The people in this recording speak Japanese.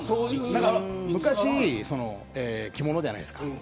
昔、着物じゃないですか。